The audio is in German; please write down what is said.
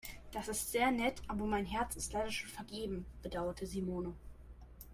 Das ist sehr nett, aber mein Herz ist leider schon vergeben, bedauerte Simone.